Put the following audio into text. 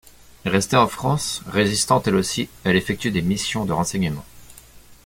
Restée en France, résistante elle aussi, elle effectue des missions de renseignement.